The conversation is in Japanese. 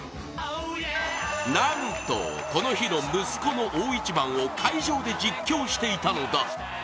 なんとこの日の息子の大一番を会場で実況していたのだ。